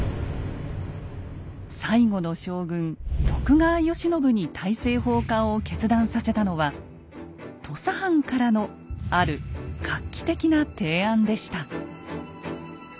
最後の将軍徳川慶喜に大政奉還を決断させたのは土佐藩からのある画期的な提案でした。